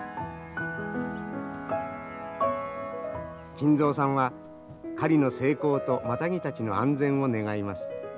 金蔵さんは狩りの成功とマタギたちの安全を願います。